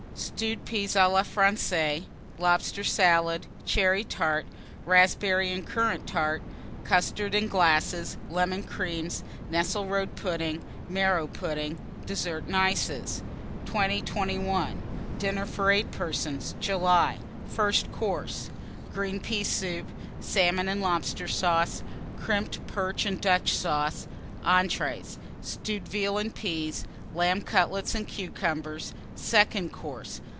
Stewed Peas à la Francaise. Lobster Salad. Cherry Tart. Raspberry and Currant Tart. Custards, in glasses. Lemon Creams. Nesselrode Pudding. Marrow Pudding. DESSERT AND ICES. 2021. DINNER FOR 8 PERSONS (July) FIRST COURSE. Green Pea Soup. Salmon and Lobster Sauce. Crimped Perch and Dutch Sauce. ENTREES. Stewed Veal and Peas. Lamb Cutlets and Cucumbers. SECOND COURSE.